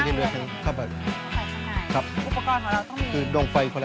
ไม่ได้ส่องกลบนะครับคุณพี่อม